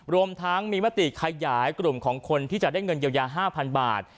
รวมทั้งมีมติขยายกลุ่มของคนที่จะได้เงินเยียวยา๕๐๐บาท